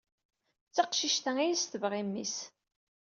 D taqcict-a i as-tebɣa i mmi-s.